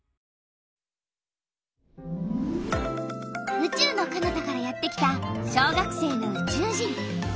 うちゅうのかなたからやってきた小学生のうちゅう人！